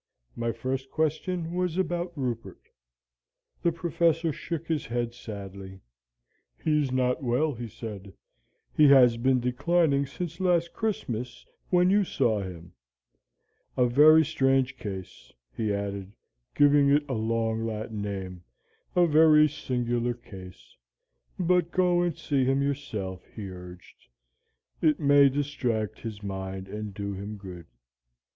My first question was about Rupert. The Professor shook his head sadly. 'He's not so well,' he said; 'he has been declining since last Christmas, when you saw him. A very strange case,' he added, giving it a long Latin name, 'a very singular case. But go and see him yourself,' he urged; 'it may distract his mind and do him good?'